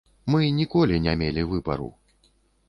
Мы ніколі не мелі выбару.